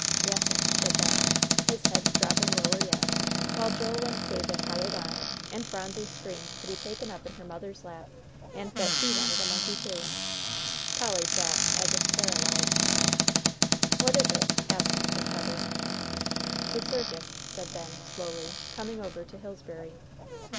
"Yes'm," said Ben, his head dropping lower yet, while Joel and David howled on, and Phronsie screamed to be taken up in her mother's lap, and that she wanted a monkey too. Polly sat as if paralyzed. "What is it?" asked Mrs. Pepper. "The circus," said Ben, slowly, "coming over to Hillsbury."